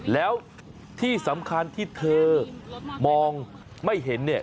แล้วที่สำคัญที่เธอมองไม่เห็นเนี่ย